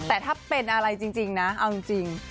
แต่ถ้าเป็นอะไรจริงนะเอาจริง